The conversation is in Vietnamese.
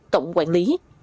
tổng quản lý